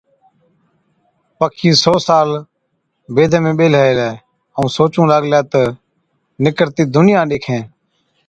پکِي سئو سال بيدي ۾ ٻيهلَي هِلَي ائُون سوچُون لاگلي تہ نِڪرتِي دُنيا ڏيکَين